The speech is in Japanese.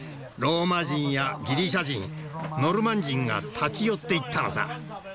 ローマ人やギリシャ人ノルマン人が立ち寄っていったのさ。